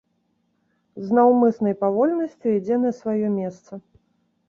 З наўмыснай павольнасцю ідзе на сваё месца.